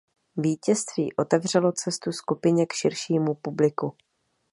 Vítězství otevřelo cestu skupině k širšímu publiku.